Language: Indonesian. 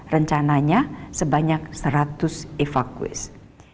rencananya sebanyak seratus evakuasi